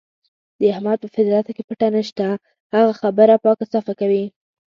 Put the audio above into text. د احمد په فطرت کې پټه نشته، هره خبره پاکه صافه کوي.